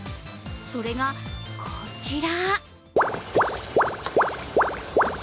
それが、こちら。